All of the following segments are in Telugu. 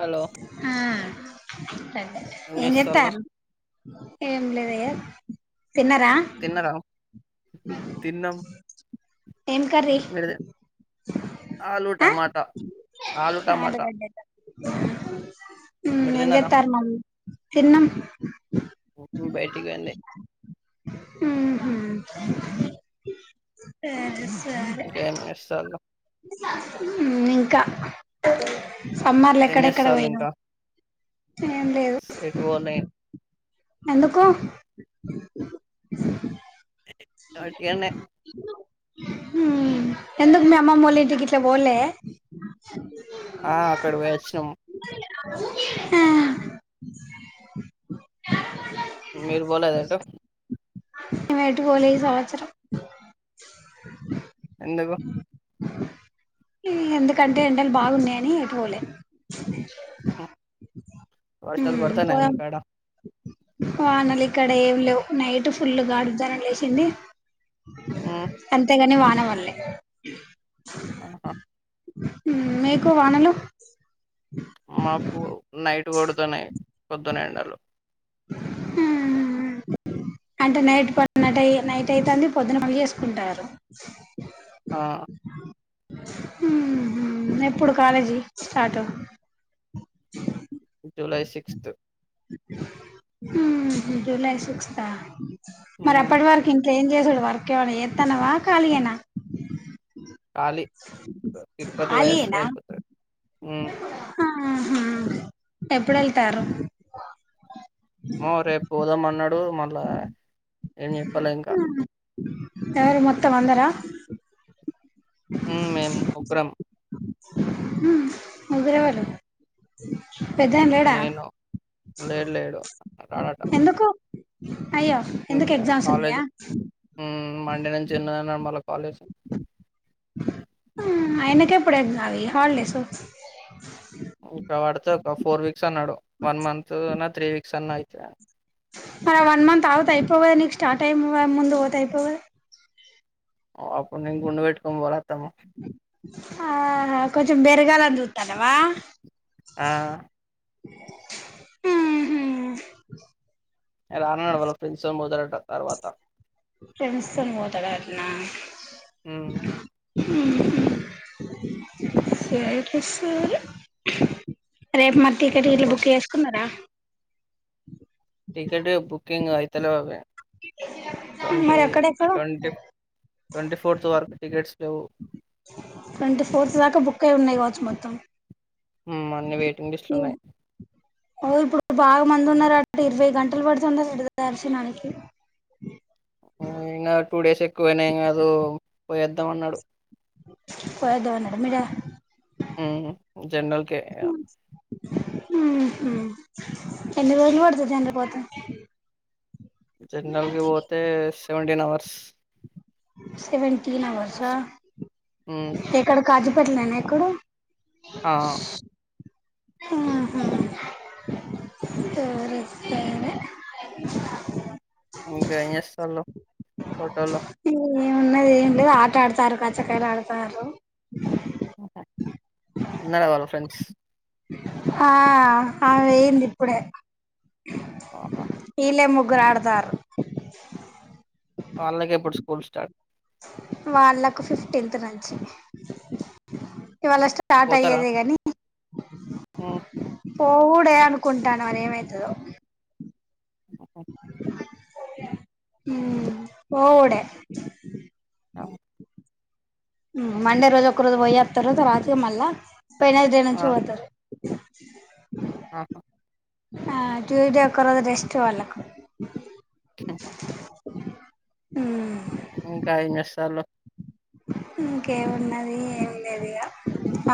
హలో ఆ ఏం చెత్తారు ఏం లేదయ తిన్నరా తిన్నం ఏం కర్రి ఆలు టమాటా ఆలు టమాటా [inaudible] మీరు ఏం తిన్నారా చెత్తన్నరు తిన్నాం బయటికి పోయింది ఉహు ఏం చేస్తారు ఇంక సమ్మార్లో ఏం ఎక్కడెక్కడ పోయినావ్ ఏం లేదు సే ఇటు పోలే వ ఎందుకు వట్టిగనే హమ్ ఎందుకు మీ అమ్మమ్మ వాల్ల ఇంటికి గట్లా పోలే ఆ అక్కడికి పోయి వచ్చినం ఆ మీరు బోలేద ఏటు మేము ఎటూ పోలే ఈ సంవత్సరం ఎందుకు ఎందుకంటే ఎండలు బాగున్నాయని ఎటుపోలే ఉహు. హు వర్షాలు పో పడతాన్నాయా మీకాడ పొనలి ఇక్కడ ఏమి లేవు నైట్ ఫుల్ [unintelligible] ధర లేసింది మ్మ్ అంతేగాని వా పడ్లే ఆ మీకు వానలు మాకు నైట్ పడుతున్నాయి పొద్దున ఎండలు ఊ అంటే నైట్ [unintelligible] నైట్ అయితనే పొద్దున్న పని చేసుకుంటారు ఆ ఎప్పుడు college start July sixth July సిక్స్తా మరి మ్మ్ అప్పటి వర్కి ఏం చేసుడు వర్క్ ఏమన్నా చేతన్నవ కాలిఏనా ఖాళీ తిరుపతి పోయేస్తే కలియేన అయిపోతది మ్మ్ ఆహా ఎప్పుడు వెళ్తారు రేపు పోదామన్నాడు మళ్ళా ఏం చెప్పలే ఇంకా [unintelligible] మొత్తం అందర మేము ముగ్గరం [unintelligible] ఉ పెద్ద ఆయన లేడ నేను లేడు లేడు రాడట ఎందుకు అయ్యో ఎందుకు ఇంకా ఎక్జామ్స్ కాలేజ్ ఉన్నాయా హ్మ్. మండే నుంచి ఉన్నదన్నాడు మళ్ళా కాలేజ్. అయిన [unintelligible] హాలిడేసు ఇంక పడితే ఒక ఫోర్ వీక్స్ అన్నాడు వన్ మంత్ త్రీ వీక్స్ అన్నా అయితే మరి వన్ మంత్ ఆగితే అయిపోవదు నీకు స్టార్ట్ అయి ముందు పోత అయిపోవ అప్పుడు నేను గుండు పెట్టుకొని [unintelligible] మా ఆహా [unintelligible] ఆ ఉ హు [unintelligible] ఫ్రెండ్స్ తోని పోతరంట తర్వాత ఫెండ్స్ తోని పోతడట్న హు [unintelligible] రేపు మరి ఇంక టికెట్ గిట్ల అప్పుడు బుక్ చేసుకున్నారా టికెట్ బుకింగ్ అయితలేవు అవి ట్వంటీ మరి ఎక్కడెక్కడ ట్వంటీ ట్వంటీ ఫోర్త్ వరకు టికెట్స్ లేవ్ ట్వంటీ ఫోర్త్ దాక బుక్ అయి ఉన్నాయి కావచ్చు మొత్తం అన్ని వెయిటింగ్ లిస్ట్లు ఉన్నాయ్ ఓ ఇప్పుడు బాగ మంది ఉన్నారు అంట ఇరవై గంటలు పడుతు [unintelligible] దర్శనానికి అ ఇంగ టూ డేస్ ఎక్కువ అయిన ఎం కాదు పోయేద్దాం అన్నాడు పోయోద్ధం అన్నడ [unintelligible] హు జెనరల్ కే ఇగ ఎన్ని రోజులు పడుతుది [unintelligible] జనరల్ కి పోతే సెవెంటీన్ అవర్స్ సెవెంటీన్ అవర్సా ఉమ్ ఎక్కడ [unintelligible] ఆ ఆహా టూరిస్ పైనే ఇంగ ఏం జెసలు పొటోళ్ళు ఏమున్నది ఏం లేద్ ఆట ఆడుతారు కచ్చకాయలు ఆడతారు ఉన్నాల వాళ్ళ ఫ్రెండ్స్ ఆ అవేయింది ఇప్పుడే ఆహా వీళ్లే ము ఉగరాడతారు వాళ్ళకి ఎప్పుడు స్కూల్ స్టార్ట్ వాళ్ళలకు ఫిఫ్టిన్త్ నుంచి ఇవాళ స్టార్ట్ అయ్యేదే గాని ఓ పోడ అనుకుంటన మరి ఏమతదొ ఊ పోవుడే అవు మండే రోజు ఒక రోజు పోయస్తారు రాత్రి మళ్ళా పైనదుడే ఆ, నుంచి పోతారు ఆహా ఆ ట్యూస్డే ఒక రోజు రెస్ట్ వాళ్ళకు అ ఊ ఇంకా ఏం జేసలు ఇంకేమున్నది ఏమి లేదుగా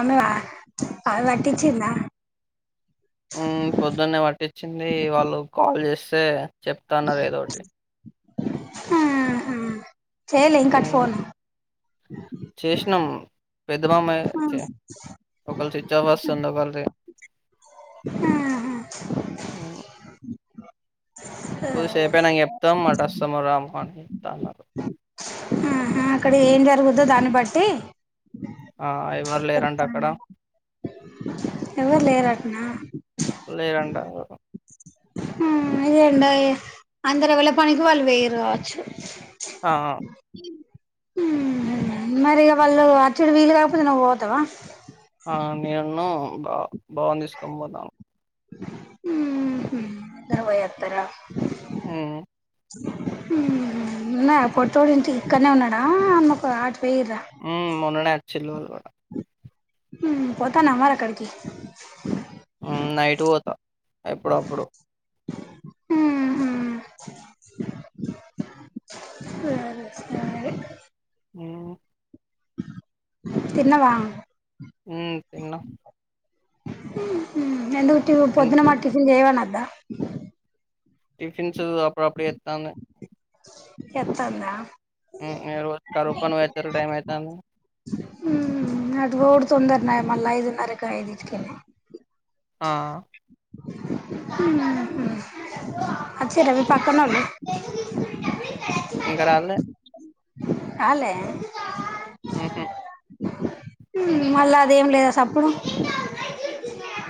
ఆమ అమ వటిచింద పొద్దున్నే పట్టిచ్చింది వాళ్ళు కాల్ చేస్తే చెప్తానది ఏదోటి అహ చేేలే ఇంకాటు ఉమ్ ఫోను చేసినాం పెద్ద మామ ఒకళ చిచ్చ వస్తుంది ఒకళది ఆహా ఊ కొద్దిసేపేనాక చెప్తాం మాటస్సము రాము అని చెప్ తలు అళ్లు ఆహా అక్కడ ఏం జరుగుతదో దాన్ని బట్టి ఆ ఎవరు లేరండి అక్కడ చెప్తాను ఎవరు లేరాటనా లేరంట ఆ ఇగ ఎండ అయే అందరు ఎవల పనికి వాళ్ళు వేయరు కావచ్చు ఆ మరి ఇగ వాళ్ళు అచ్చడు వీలు కాకపోతే నువ్వు పోతావా ఆ నేను బా భావన్ తీసుకొని పోతాను ఉహు ద ఓయతర హ్మ్. ఊ ఉన్నాయ పొట్టోడు ఇంటి ఇక్కడనే ఉన్నాడా అన్న ఒక ఆట్ ఉ మొననే ఆచ్చిలు వాల్ కూడ పోతానవ మరక్కడకి ఊ నైట్ పోతా ఎప్పుడో అప్పుడు ఉహు సరే సరే ఆ తిన్నవా మ్ తిన్న ఉహు ఎందుకు [unintelligible] ఎన్ పొద్దున మా టిఫిన్ చేయవానద్దా? టిఫిన్స్ అప్పుడు అప్పుడు చేత్తాంది చెప్పన్నా మ్ ఇగ రోజు కరువు పని పోయొచ్చేర్కి టైం అయితాంది ఉమ్ అట్ గోడ్ తొందర నాయ మళ్ళ ఐదు నర్రకు, ఐదిన్టికే. ఆ హు [unintelligible] అచ్చిర్రా మీ పక్కనోళ్లు ఇంకా రాల్లే హాలే హుహు. హుమ్మ్ మళ్ళా అదేం లేద సప్పుడు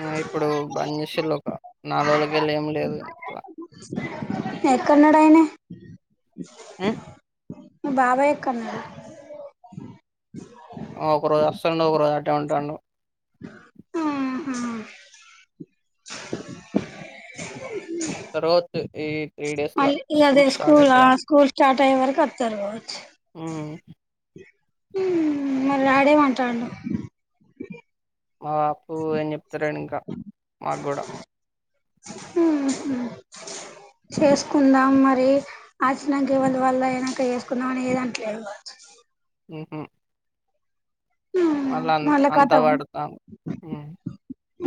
మ్ ఇప్పుడు బన్చేసిళ్ళు ఒక నాల్రోజులకెళ్ళి ఏం లేదు [unintelligible] ట్లా. ఎక్కన్నాడయన అ మీ బాబాయ్ ఎక్కన్నాడు ఆ ఒక రోజు వస్సన్డు ఒక రోజు అట్టే ఉంటాండు ఆ హ ఆ తర్వాత ఏ [unintelligible] మళ్లీ ఇగ అదే స్కూల్లా స్కూల్ స్టార్ట్ అయ్యే వరకు వత్తర గావ హ్మ్. హుమ్ మల్ల ఆడేమంటాడు మా బపు ఏం చెప్తాలేడింకా మాక్గూడా ఉహు చేసుకుందాం, మరి ఆచినంకా ఎవల్ది వాళ్లయినాక ఎస్కుందాం అని ఏదట్లేదు. ఉహు మళ్ళ అన్ అంతా పడతాము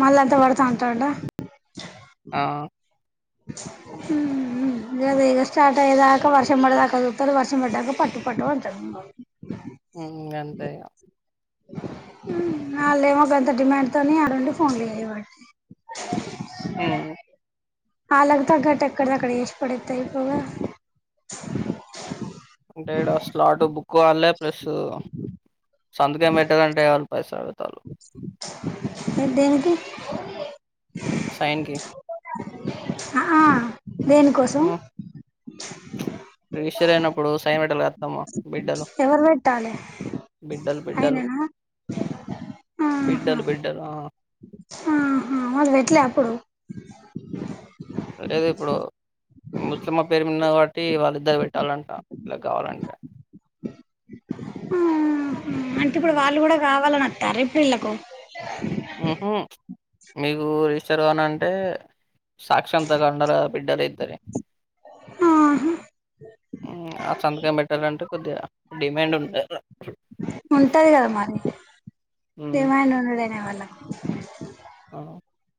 మల్ల అంతా పడత అంటండా ఆ హు మ్మ్ హు ఇగ ఎగస్ట్రర్ట్ అయ్యేదాకా వర్షం పడదాక [unintelligible] రూ వర్షం పడ్డాక పట్టు, పట్టు అన్టాడు. [inaudible] మ్ అంతేగా మ్ వాళ్ళేమో గంత డిమాండ్ తోని ఆడున్డి ఫోన్లు చేయబ. హ్మ్ ఆళ్లకు తగ్గట్టు ఎక్కడిదక్కడ ఎష్ పడేతే అయిపోవ్గదా. అంటే ఇడా స్లాట్ బుక్ కాల్లే ప్లేస్సు సంతకం పెట్టాలంటే అలు. పైసా అడుగుతాల్లు ఏదేనికి సైన్కి ఆ ఆ దేనికోసం రిజిస్టరయినప్పుడు సైన్ పేట్టల్గా అత్తమ్మ బిడ్డలు ఎవర్పెట్టాలే బిడ్డలు బిడ్డలు అయినా ఆహా బిడ్డలు బిడ్డలు ఆ ఆహా వాళ్లు పెట్లే అప్పుడు అదేదొ ఇప్పుడు ముస్లమ్మ పేరు మీదున్నది కాబట్టి వాళ్ళిద్దరు పెట్టాలన్ట ఇలా కావాలంటే. ఆ అంటే ఇప్పుడు వాళ్ళు గూడా గావాలని అంటారా ఇప్పుడు ఈళ్ళకు ఉమ్ హు మీకు చర్వాని అంటే సాక్షాంతగ ఉండాలిగ బిడ్డలు ఇద్దరియి ఆహా ఆ సంతకం బట్టాలంటే కొద్దిగా డిమాండ్ ఉండాలా ఉంటది గదా మరి హ్మ్ ఏమైనా ఉండలేనే వాళ్ళ ఆ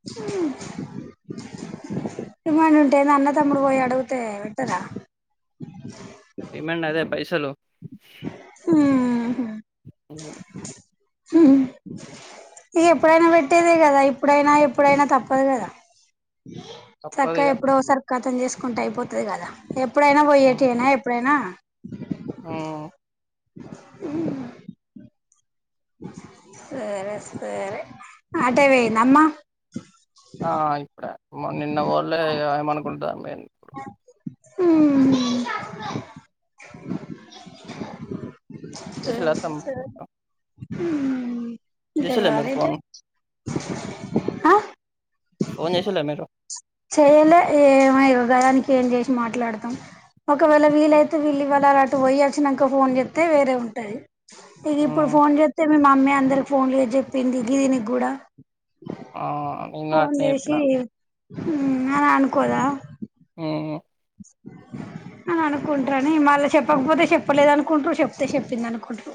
ఉమ్ ఇమ్మనుంటే అన్న తమ్ముడు పోయి అడుగితే పెట్టదా డిమాండ్ అదే పైసలు ఉమ్ ఉమ్ ఇగ ఎప్పుడైనా పెట్టేదే గదా ఇప్పుడైనా ఎప్పుడైనా తప్పదు గదా చక్కగా తప్పదిగా ఎప్పుడో ఒకసారి కతం చేసుకుంటే అయిపోతది గదా ఎప్పుడైనా బోయేటీ ఉమ్ యేనాయ్ ఎప్పుడైనా ఉమ్ ఉమ్ సరే సరే అటేబోయిందా అమ్మా ఆ ఇప్పుడే నిన్న బోలే ఏమనుకుంటారో [inaudible] ఉమ్ సరే చేసిల్లా అత్తమ్మ సరే ఉమ్ ఇంకా చేసిల్లా మీరు రాలేదే ఫోన్ ఆ ఫోన్ చేసిల్లా మీరు చేయలే ఏమో ఇగ గయానికి ఏం జేసి మాట్లాడతాం ఒకవేళ వీలైతే వీళ్ళు ఇవాళ అటు బోయివచ్చినంక ఫోన్ జేత్తే వేరే ఉంటది ఇగ ఇప్పుడు ఉమ్ ఫోన్ జేత్తే మీ మమ్మీ అందరికి ఫోన్లు జేసి జెప్పింది గీ దీనికి గూడా ఆ నేన్ గూడా అట్లనే చెప్పిన ఉమ్ ఆమె అనుకోదా ఉమ్ [inaudible] అని అనుకుంటారని మళ్ళీ చెప్పకపోతే చెప్పలేదు అనుకుంట్రు చెప్తే చెప్పింది అనుకుంట్రు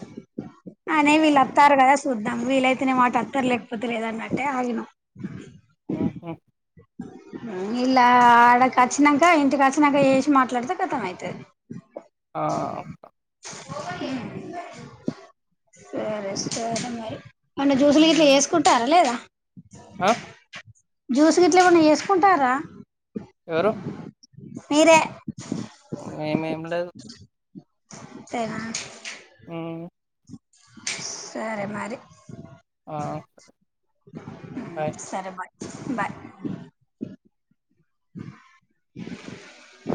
అనే వీళ్ళు వత్తారు గదా సూద్దాం వీలైతేనే మాట్లాడుతర్ లేకపోతే లేదన్నట్టే ఆగినమ్ ఉహు [inaudible] ఈళ్ళు ఆడకి అచ్చినంక ఇంటికి వచ్చినంక చేసి మాట్లాడితే కతం అయితది ఆ అనుకుంట ఉమ్ సరే సరే మరి ఏమన్న జ్యూసులు గిట్లా ఉమ్, జేసుకుంటారా లేదా ఆ జూస్ గిట్ల ఏమన్నా జేసుకుంటారా ఎవరు మీరే మేమేం లేదు అంతేనా ఉమ్ సరే మరి ఆ సరే బాయ్ సరే బాయ్ బాయ్